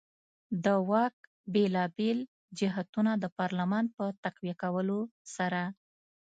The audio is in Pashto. د واک بېلابېل جهتونه د پارلمان په تقویه کولو سره.